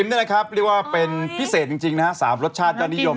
ไอศกรีมเป็นพิเศษจริง๓รสชาตินิยม